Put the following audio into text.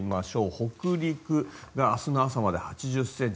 北陸が明日の朝までに８０ｃｍ。